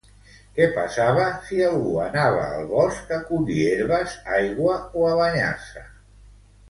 Què passava si algú anava al bosc a collir herbes, aigua o a banyar-se?